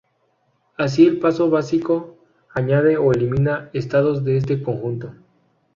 Así, el paso básico añade o elimina estados de este conjunto.